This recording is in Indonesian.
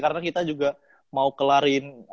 karena kita juga mau kelarin playoff ini